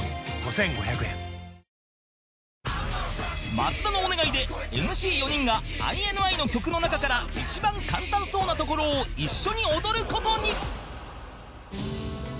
松田のお願いで ＭＣ４ 人が ＩＮＩ の曲の中から一番簡単そうなところを一緒に踊る事に